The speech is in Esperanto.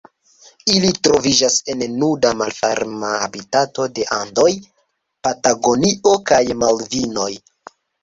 Ili troviĝas en nuda, malferma habitato de Andoj, Patagonio kaj Malvinoj.